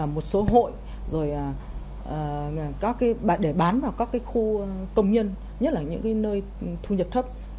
một số hội để bán vào các khu công nhân nhất là những nơi thu nhập thấp